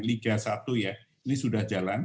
liga satu ya ini sudah jalan